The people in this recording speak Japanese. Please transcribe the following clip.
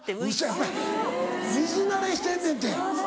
やっぱり水慣れしてんねんて！